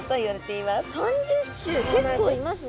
いますねえ。